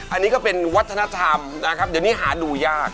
อันนี้ก็เป็นวัฒนธรรมนะครับเดี๋ยวนี้หาดูยาก